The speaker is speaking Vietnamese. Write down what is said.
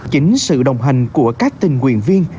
chính sự đồng hành của các tình nguyện viên